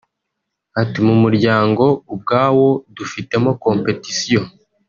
Ati “Mu muryango ubwawo dufitemo competition